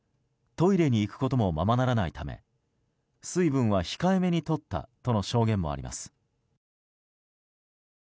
トイレに行くこともままならないため水分は控えめにとったとの証言もあります。